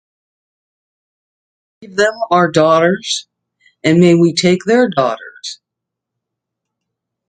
May we give them our daughters and may we take their daughters?